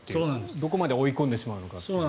どこまで追い込んでしまうのか。